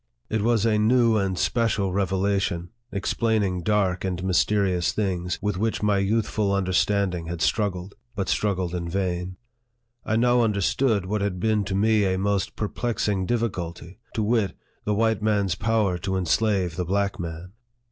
It was a new and special revelation, explaining dark and mysterious things, with which my youthful understanding had struggled, but struggled in vain. I now understood what had been to me a most perplexing difficulty to wit, the white man's power to enslave the black man.